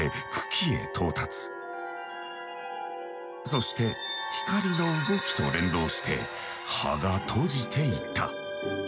そして光の動きと連動して葉が閉じていった。